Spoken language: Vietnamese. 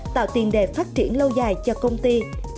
tạo tiền đề phát triển lâu dài cho công ty